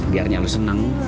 biarnya lo seneng